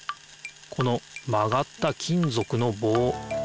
このまがった金ぞくのぼう。